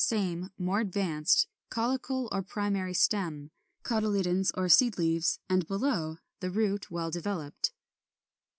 Same, more advanced; caulicle or primary stem, cotyledons or seed leaves, and below, the root, well developed.